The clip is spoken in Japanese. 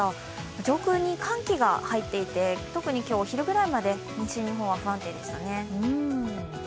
上空に寒気が入っていて、特に今日お昼ぐらいまで西日本は不安定でしたね。